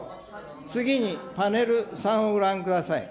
次にパネル３をご覧ください。